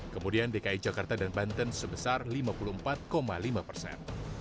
kemudian dki jakarta dan banten sebesar lima puluh empat lima persen